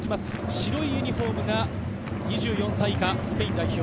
白いユニホームが２４歳以下スペイン代表。